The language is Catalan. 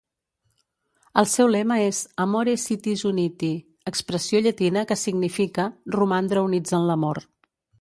El seu lema és "Amore Sitis Uniti", expressió llatina que significa "romandre units en l'amor".